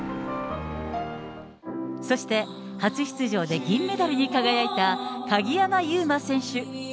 そして、初出場で銀メダルに輝いた鍵山優真選手。